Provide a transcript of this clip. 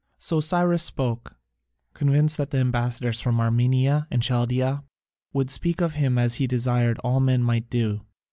So Cyrus spoke, convinced that the ambassadors from Armenia and Chaldaea would speak of him as he desired all men might do.